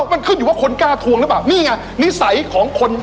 มันขึ้นอยู่ว่าคนกล้าทวงนี่ไงนิสัยของคน